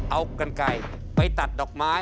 เอากันไก่ไปตัดดอกไม้